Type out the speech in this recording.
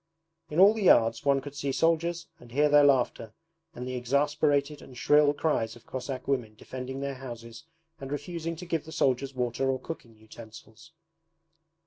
In all the yards one could see soldiers and hear their laughter and the exasperated and shrill cries of Cossack women defending their houses and refusing to give the soldiers water or cooking utensils.